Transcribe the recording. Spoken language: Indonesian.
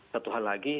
satu hal lagi